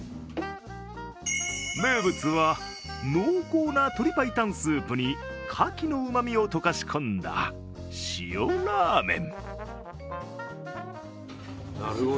名物は濃厚な鶏白湯スープにかきのうまみを溶かし込んだしおらーめん。